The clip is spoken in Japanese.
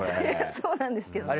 そうなんですけどね。